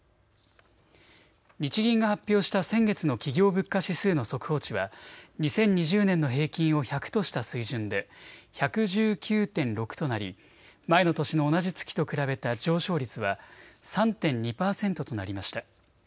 日銀が発表した先月の企業物価指数の速報値は２０２０年の平均を１００とした水準で１１９．６となり前の年の同じ月と比べた上昇率は３．２％となりました。